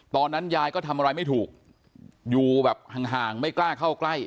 ตอนนั้นยายก็ทำอะไรไม่ถูกอยู่แบบห่างไม่กล้าเข้าใกล้